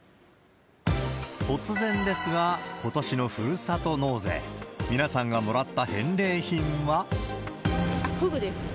突然ですが、ことしのふるさと納税、皆さんがもらった返礼品フグです。